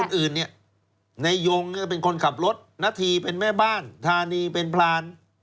อื่นเนี่ยในยงเป็นคนขับรถณฑีเป็นแม่บ้านธานีเป็นพราน